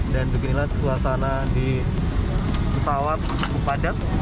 dan beginilah suasana di pesawat bupadat